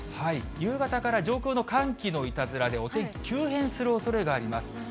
夕方から上空の寒気のいたずらで、お天気急変するおそれがあります。